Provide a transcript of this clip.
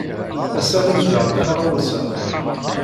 Ass-a, lemdeɣ-d taɣawsa.